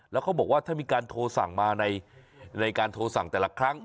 แล้วเขาบอกว่าถ้ามีการโทรสั่งมาในการโทรสั่งแต่ละครั้ง